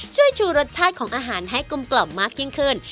ช่วยชูรสชาติของอาหารให้กลมกล่อมมากยิ่งขึ้น